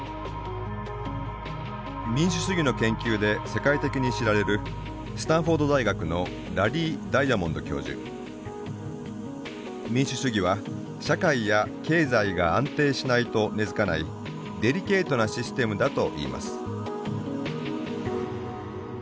民主主義の研究で世界的に知られる民主主義は社会や経済が安定しないと根づかないデリケートなシステムだと言います。